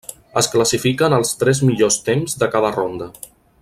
Es classifiquen els tres millors temps de cada ronda.